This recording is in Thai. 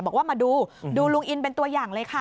บอกว่ามาดูดูลุงอินเป็นตัวอย่างเลยค่ะ